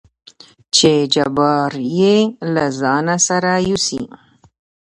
چې جبار يې له ځانه سره يوسي.